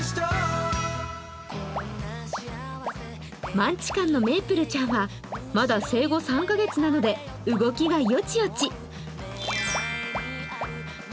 マンチカンのメープルちゃんはまだ生後３カ月なので動きがよちよち。